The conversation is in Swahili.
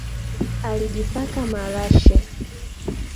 Alijipaka marashi